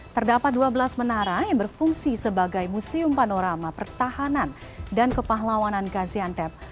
terdapat dua belas menara yang berfungsi sebagai museum panorama pertahanan dan kepahlawanan gaziantep